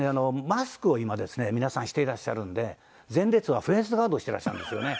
マスクを今ですね皆さんしていらっしゃるんで前列はフェースガードをしていらっしゃるんですよね。